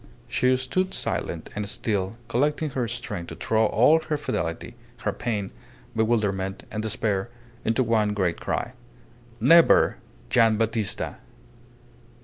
She stood silent and still, collecting her strength to throw all her fidelity, her pain, bewilderment, and despair into one great cry. "Never! Gian' Battista!"